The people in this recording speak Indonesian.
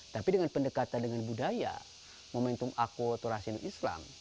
tapi dengan pendekatan dengan budaya momentum aku turasin islam